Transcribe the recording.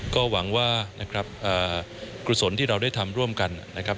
ก็หวังว่านะครับกุศลที่เราได้ทำร่วมกันนะครับ